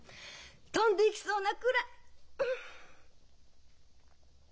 翔んでいきそうなくらい！